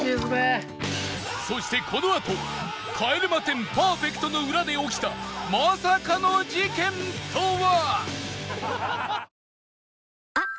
そしてこのあと帰れま１０パーフェクトの裏で起きたまさかの事件とは？